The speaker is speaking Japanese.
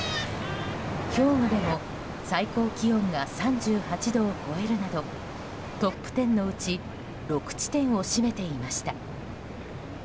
兵庫でも最高気温が３８度を超えるなどトップ１０のうち６地点を占めていました。